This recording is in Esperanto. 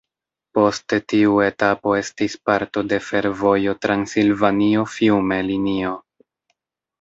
Poste tiu etapo estis parto de fervojo Transilvanio-Fiume linio.